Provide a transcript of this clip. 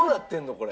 これ。